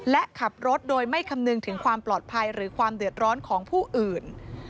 และขับรถโดยไม่คำนึงถึงความปลอดภัยหรือความเดือดร้อนของผู้อื่น